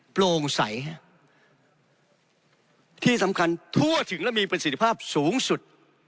โปร่งใสที่สำคัญทั่วถึงและมีประสิทธิภาพสูงสุด